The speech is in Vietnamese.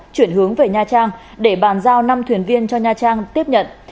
chuyển hướng về nha trang để bàn giao năm thuyền viên cho nha trang tiếp nhận